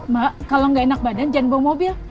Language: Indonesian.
mbak kalo gak enak badan jangan bawa mobil